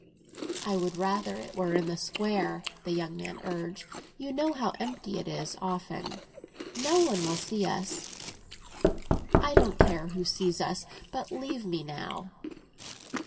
"I would rather it were in the Square," the young man urged. "You know how empty it is, often. No one will see us." "I don't care who sees us! But leave me now."